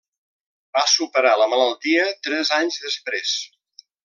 Va superar la malaltia tres anys després.